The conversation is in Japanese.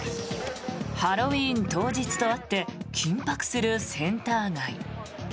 ハロウィーン当日とあって緊迫するセンター街。